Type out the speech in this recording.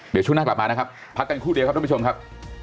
เดี๋ยวช่วงหน้ากลับมานะครับพักกันครู่เดียวครับทุกผู้ชมครับ